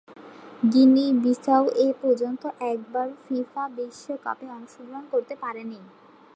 Guinea-Bissau এপর্যন্ত একবারও FIFA বিশ্বকাপে অংশগ্রহণ করতে পারেনি।